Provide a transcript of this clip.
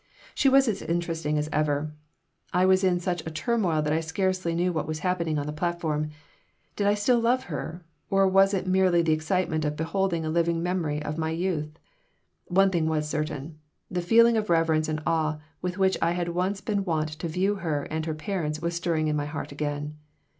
She was as interesting as ever. I was in such a turmoil that I scarcely knew what was happening on the platform. Did I still love her, or was it merely the excitement of beholding a living memory of my youth? One thing was certain the feeling of reverence and awe with which I had once been wont to view her and her parents was stirring in my heart again.